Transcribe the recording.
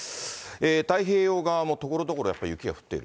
太平洋側も、ところどころでやっぱ、雪が降っている？